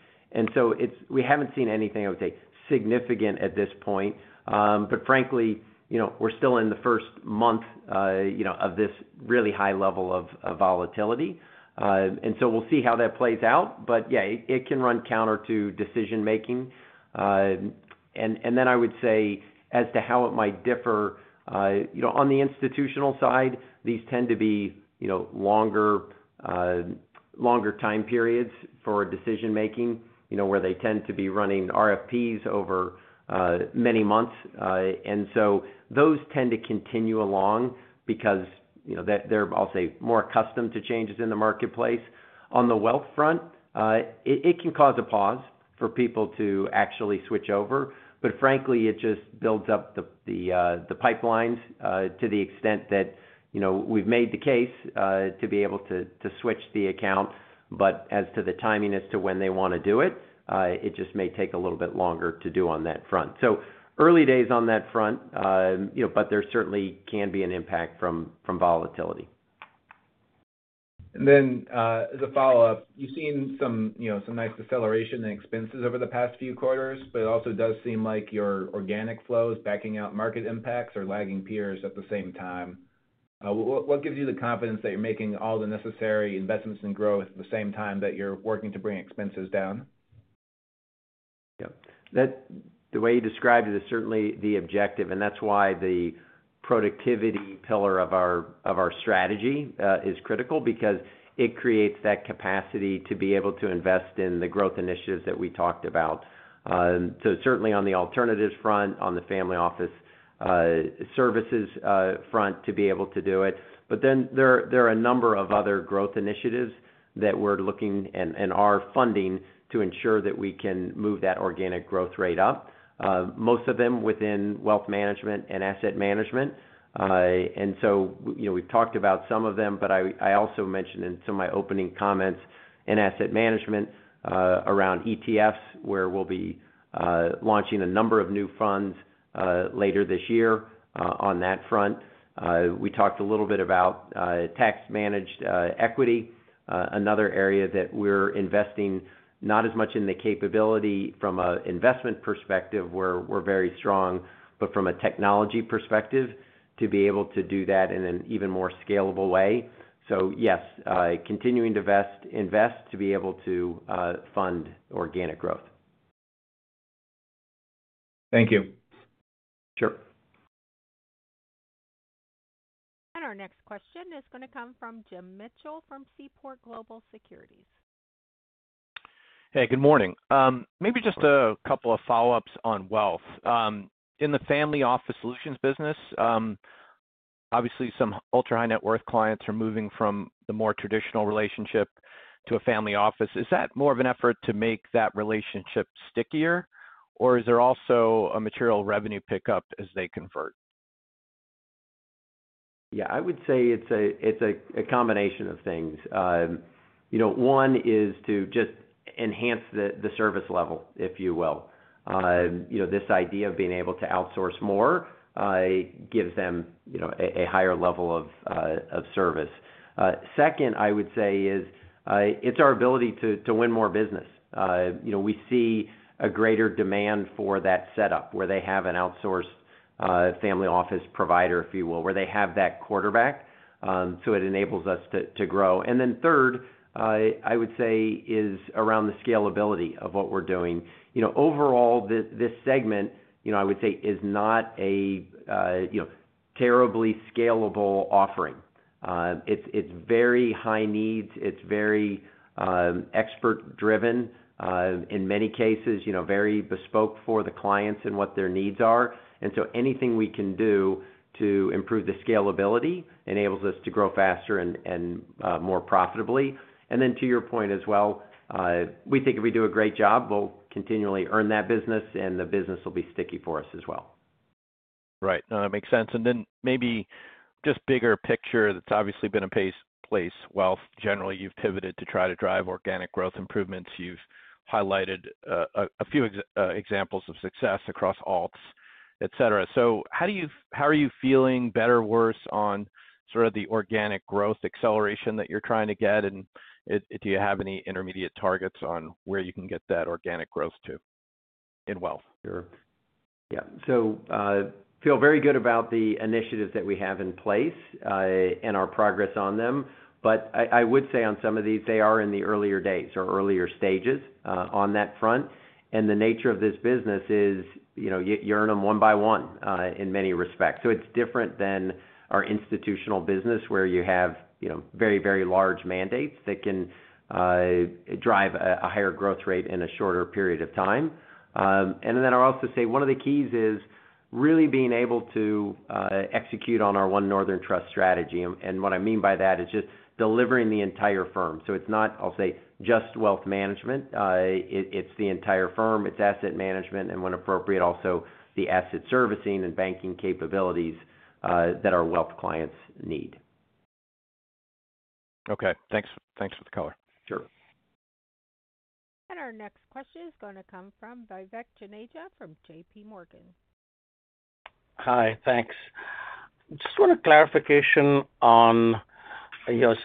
We haven't seen anything, I would say, significant at this point. Frankly, we're still in the first month of this really high level of volatility. We'll see how that plays out, but yeah, it can run counter to decision-making. I would say as to how it might differ on the institutional side, these tend to be longer time periods for decision-making where they tend to be running RFPs over many months. Those tend to continue along because they're, I'll say, more accustomed to changes in the marketplace. On the wealth front, it can cause a pause for people to actually switch over. Frankly, it just builds up the pipelines to the extent that we've made the case to be able to switch the account. As to the timing as to when they want to do it, it just may take a little bit longer to do on that front. Early days on that front, but there certainly can be an impact from volatility. You have seen some nice deceleration in expenses over the past few quarters, but it also does seem like your organic flows backing out market impacts are lagging peers at the same time. What gives you the confidence that you are making all the necessary investments in growth at the same time that you are working to bring expenses down? Yeah. The way you described it is certainly the objective. That is why the productivity pillar of our strategy is critical because it creates that capacity to be able to invest in the growth initiatives that we talked about, certainly on the alternatives front, on the family office services front, to be able to do it, but then there are a number of other growth initiatives that we are looking and are funding to ensure that we can move that organic growth rate up, most of them within Wealth Management and Asset Management. We have talked about some of them, but I also mentioned in some of my opening comments in Asset Management around ETFs where we will be launching a number of new funds later this year on that front. We talked a little bit about tax-managed equity, another area that we're investing not as much in the capability from an investment perspective where we're very strong, but from a technology perspective to be able to do that in an even more scalable way. Yes, continuing to invest to be able to fund organic growth. Thank you. Sure. Our next question is going to come from Jim Mitchell from Seaport Global Securities. Hey, good morning. Maybe just a couple of follow-ups on wealth. In the Family Office Solutions business, obviously some ultra-high net worth clients are moving from the more traditional relationship to a family office. Is that more of an effort to make that relationship stickier, or is there also a material revenue pickup as they convert? Yeah. I would say it's a combination of things. One is to just enhance the service level, if you will. This idea of being able to outsource more gives them a higher level of service. Second, I would say, is it's our ability to win more business. We see a greater demand for that setup where they have an outsourced family office provider, if you will, where they have that quarterback. It enables us to grow. Third, I would say, is around the scalability of what we're doing. Overall, this segment, I would say, is not a terribly scalable offering. It's very high needs. It's very expert-driven in many cases, very bespoke for the clients and what their needs are. Anything we can do to improve the scalability enables us to grow faster and more profitably. To your point as well, we think if we do a great job, we'll continually earn that business and the business will be sticky for us as well. Right. No, that makes sense. Maybe just bigger picture, it's obviously been a place, wealth, generally you've pivoted to try to drive organic growth improvements. You've highlighted a few examples of success across alts, etc. How are you feeling, better, worse, on sort of the organic growth acceleration that you're trying to get? Do you have any intermediate targets on where you can get that organic growth to in wealth? Sure. Yeah. So we feel very good about the initiatives that we have in place and our progress on them. I would say on some of these, they are in the earlier days or earlier stages on that front. The nature of this business is you earn them one by one in many respects. It is different than our institutional business where you have very, very large mandates that can drive a higher growth rate in a shorter period of time. I will also say one of the keys is really being able to execute on our One Northern Trust strategy. What I mean by that is just delivering the entire firm. It is not, I will say, just Wealth Management. It is the entire firm. It is Asset Management; when appropriate, also the Asset Servicing and banking capabilities that our wealth clients need. Okay. Thanks for the color. Sure. Our next question is going to come from Vivek Juneja from JPMorgan. Hi. Thanks. Just want a clarification on your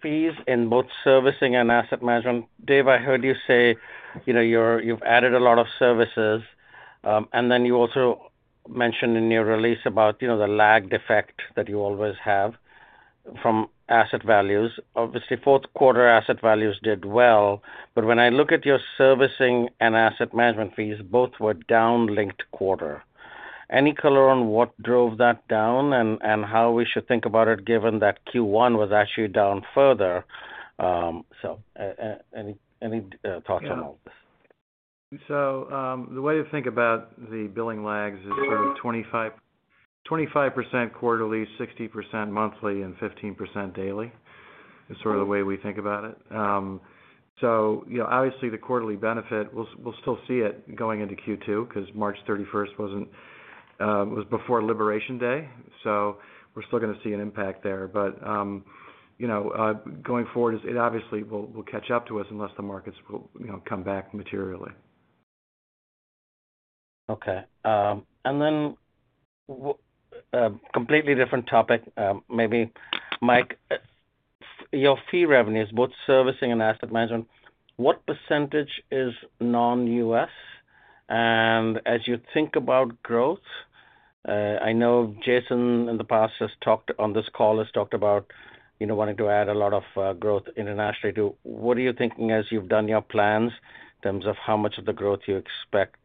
fees in both servicing and Asset Management. Dave, I heard you say you've added a lot of services. You also mentioned in your release about the lagged effect that you always have from asset values. Obviously, fourth quarter asset values did well. When I look at your servicing and Asset Management fees, both were down linked quarter. Any color on what drove that down and how we should think about it given that Q1 was actually down further? Any thoughts on all this? The way to think about the billing lags is sort of 25% quarterly, 60% monthly, and 15% daily is sort of the way we think about it. Obviously, the quarterly benefit, we'll still see it going into Q2 because March 31st was before Liberation Day. We're still going to see an impact there. Going forward, it obviously will catch up to us unless the markets come back materially. Okay. Then completely different topic, maybe, Mike. Your fee revenues, both servicing and Asset Management, what percentage is non-U.S.? As you think about growth, I know Jason in the past has talked on this call, has talked about wanting to add a lot of growth internationally. What are you thinking as you've done your plans in terms of how much of the growth you expect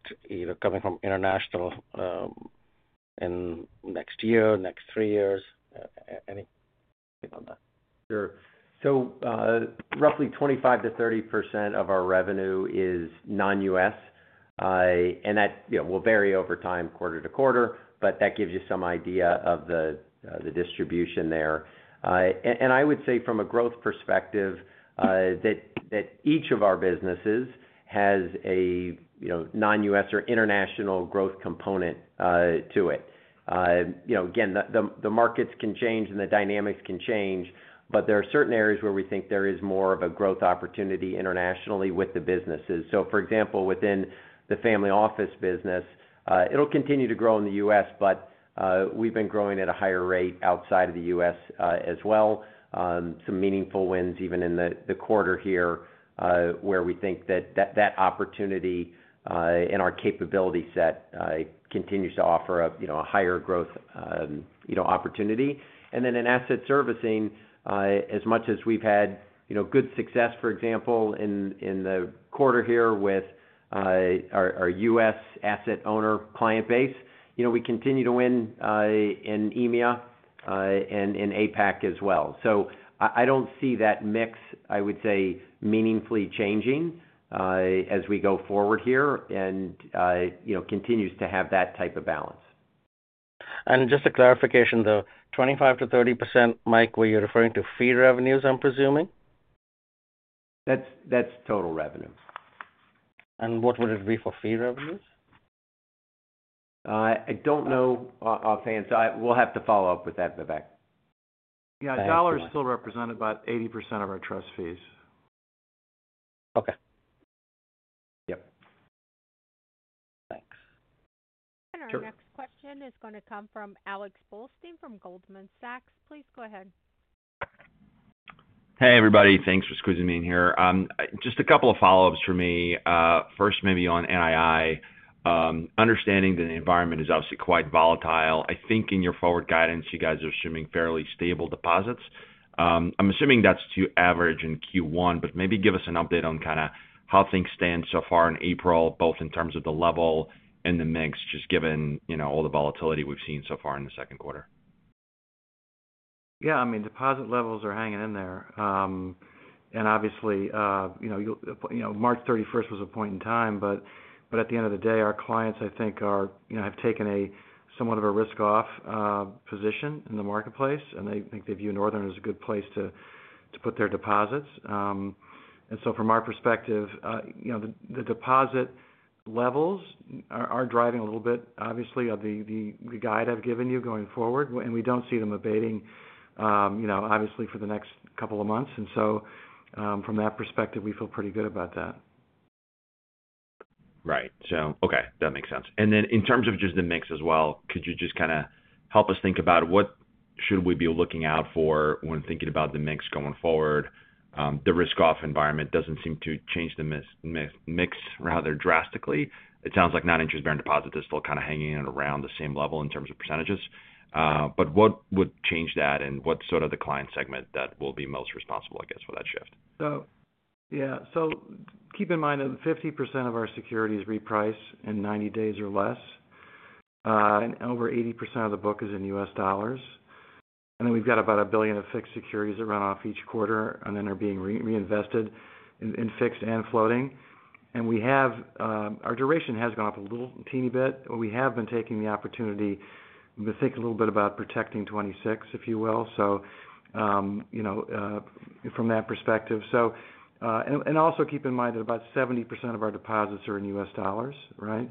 coming from international in next year or next three years? Anything on that? Sure. Roughly 25%-30% of our revenue is non-U.S. That will vary over time, quarter-to-quarter, but that gives you some idea of the distribution there. I would say from a growth perspective that each of our businesses has a non-U.S. or international growth component to it. The markets can change and the dynamics can change, but there are certain areas where we think there is more of a growth opportunity internationally with the businesses. For example, within the family office business, it will continue to grow in the U.S., but we have been growing at a higher rate outside of the U.S. as well. Some meaningful wins even in the quarter here where we think that opportunity and our capability set continues to offer a higher growth opportunity. In Asset Servicing, as much as we've had good success, for example, in the quarter here with our U.S. asset owner client base, we continue to win in EMEA and in APAC as well. I do not see that mix, I would say, meaningfully changing as we go forward here and it continues to have that type of balance. Just a clarification, though, 25%-30%, Mike, were you referring to fee revenues, I'm presuming? That's total revenue. What would it be for fee revenues? I don't know offhand, so we'll have to follow up with that, Vivek. Yeah. Dollars still represent about 80% of our trust fees. Okay. Yep. Thanks. Sure. Our next question is going to come from Alex Blostein from Goldman Sachs. Please go ahead. Hey, everybody. Thanks for squeezing me in here. Just a couple of follow-ups for me. First, maybe on NII. Understanding that the environment is obviously quite volatile. I think in your forward guidance, you guys are assuming fairly stable deposits. I'm assuming that's to average in Q1, but maybe give us an update on kind of how things stand so far in April, both in terms of the level and the mix, just given all the volatility we've seen so far in the second quarter. Yeah. I mean, deposit levels are hanging in there. Obviously, March 31st was a point in time, but at the end of the day, our clients, I think, have taken a somewhat of a risk-off position in the marketplace, and I think they view Northern as a good place to put their deposits. From our perspective, the deposit levels are driving a little bit, obviously, the guide I've given you going forward, and we do not see them abating, obviously, for the next couple of months. From that perspective, we feel pretty good about that. Right. Okay. That makes sense. In terms of just the mix as well, could you just kind of help us think about what should we be looking out for when thinking about the mix going forward? The risk-off environment does not seem to change the mix rather drastically. It sounds like non-interest-bearing deposits are still kind of hanging in around the same level in terms of percentages. What would change that? And what is sort of the client segment that will be most responsible, I guess, for that shift? Yeah. Keep in mind that 50% of our securities reprice in 90 days or less, and over 80% of the book is in U.S. dollars. And then we've got about $1 billion of fixed securities that run off each quarter, and then they are being reinvested in fixed and floating. Our duration has gone up a little teeny bit, but we have been taking the opportunity to think a little bit about protecting 2026, if you will, from that perspective. Also keep in mind that about 70% of our deposits are in U.S. dollars, right?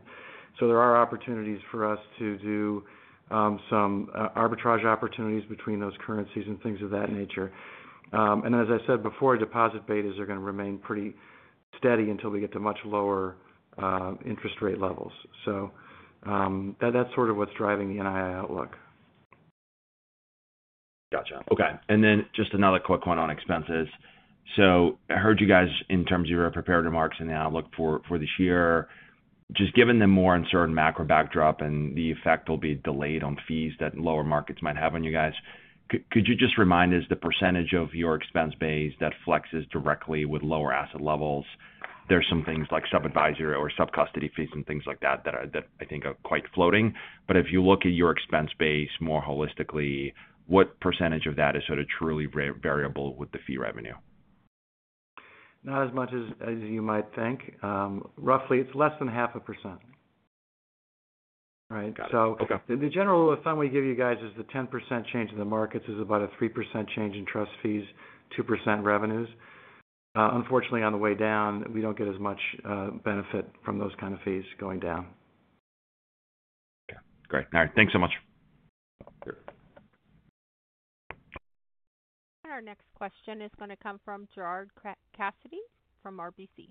There are opportunities for us to do some arbitrage opportunities between those currencies and things of that nature. As I said before, deposit betas are going to remain pretty steady until we get to much lower interest rate levels. That is sort of what is driving the NII outlook. Gotcha. Okay. Just another quick one on expenses. I heard you guys in terms of your prepared remarks and outlook for this year. Just given the more uncertain macro backdrop and the effect will be delayed on fees that lower markets might have on you guys, could you just remind us the percentage of your expense base that flexes directly with lower asset levels? There are some things like sub-advisory or sub-custody fees and things like that that I think are quite floating. If you look at your expense base more holistically, what percentage of that is sort of truly variable with the fee revenue? Not as much as you might think. Roughly, it's less than 0.5%, right? The general rule of thumb we give you guys is the 10% change in the markets is about a 3% change in trust fees, 2% revenues. Unfortunately, on the way down, we don't get as much benefit from those kind of fees going down. Okay. Great. All right. Thanks so much. Sure. Our next question is going to come from Gerard Cassidy from RBC.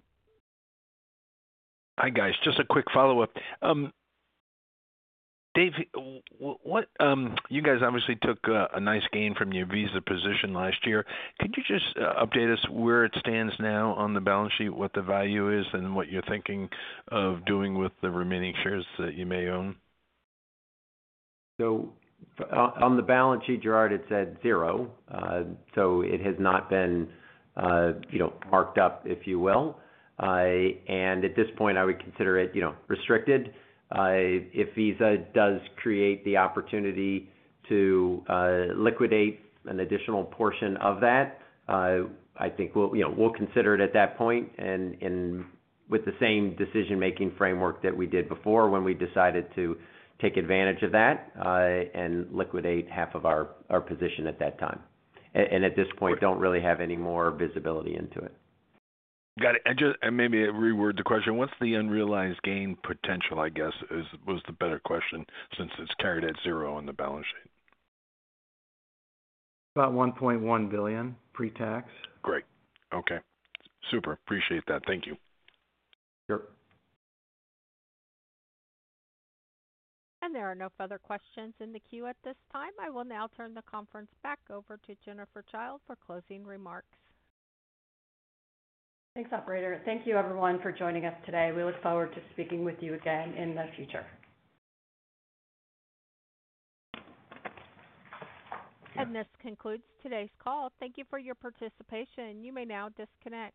Hi guys. Just a quick follow-up. Dave, you guys obviously took a nice gain from your Visa position last year. Could you just update us where it stands now on the balance sheet, what the value is, and what you're thinking of doing with the remaining shares that you may own? On the balance sheet, Gerard, it's at zero. It has not been marked up, if you will. At this point, I would consider it restricted. If Visa does create the opportunity to liquidate an additional portion of that, I think we'll consider it at that point with the same decision-making framework that we did before when we decided to take advantage of that and liquidate half of our position at that time. At this point, do not really have any more visibility into it. Got it. Maybe reword the question. What's the unrealized gain potential, I guess, was the better question. Since it's carried at zero on the balance sheet. About $1.1 billion pre-tax. Great. Okay. Super. Appreciate that. Thank you. Sure. There are no further questions in the queue at this time. I will now turn the conference back over to Jennifer Childe for closing remarks. Thanks, operator. Thank you, everyone, for joining us today. We look forward to speaking with you again in the future. This concludes today's call. Thank you for your participation. You may now disconnect.